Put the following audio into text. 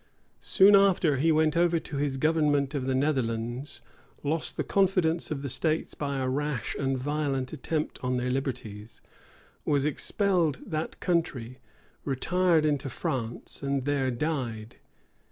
[*] Soon after, he went over to his government of the Netherlands; lost the confidence of the states by a rash and violent attempt on their liberties; was expelled that country; retired into France; and there died.